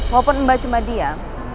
walaupun mbak cuma diam